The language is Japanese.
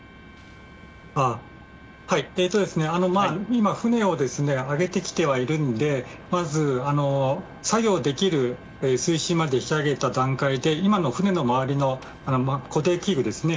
今、船を上げてきてはいるのでまず、作業できる水深まで引き揚げた段階で今、船の周りの固定器具ですね